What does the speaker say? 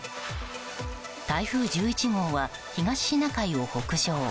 台風１１号は東シナ海を北上。